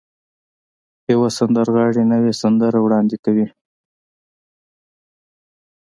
يوه سندرغاړې نوې سندرې وړاندې کوي.